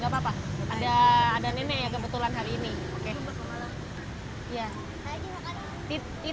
gak apa apa ada nenek ya kebetulan hari ini